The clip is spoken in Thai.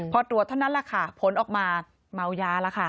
พอตรวจเท่านั้นแหละค่ะผลออกมาเมายาแล้วค่ะ